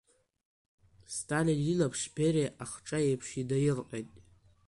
Сталин илаԥш Бериа ахҿа еиԥш инаилҟьеит.